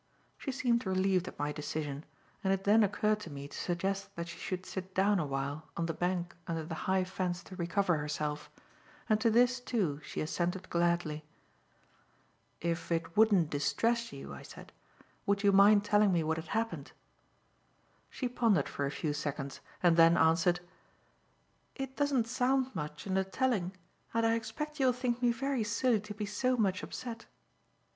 She seemed relieved at my decision, and it then occurred to me to suggest that she should sit down awhile on the bank under the high fence to recover herself, and to this, too, she assented gladly. "If it wouldn't distress you," I said, "would you mind telling me what had happened?" She pondered for a few seconds and then answered: "It doesn't sound much in the telling and I expect you will think me very silly to be so much upset."